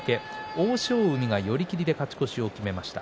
欧勝海が寄り切りで勝ち越しを決めました。